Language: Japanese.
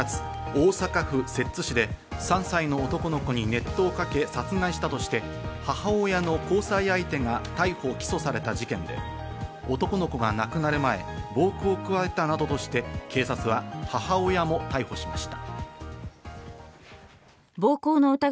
今年８月、大阪府摂津市で３歳の男の子に熱湯をかけ殺害したとして母親の交際相手が逮捕起訴された事件で男の子が亡くなる前、暴行加えたなどとして警察は母親も逮捕しました。